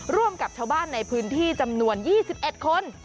ร่วมกับชาวบ้านในพื้นที่จำนวน๒๑คน